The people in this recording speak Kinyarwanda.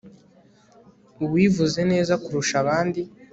uwivuze neza kurusha abandi